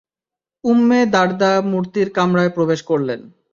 Umme Darda মূর্তির কামরায় প্রবেশ করলেন।